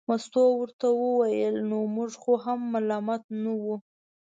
مستو ورته وویل نو موږ خو هم ملامته نه وو.